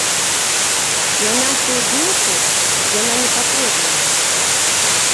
На нашую думку, яна непатрэбная.